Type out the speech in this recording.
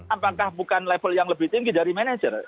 apakah bukan level yang lebih tinggi dari manajer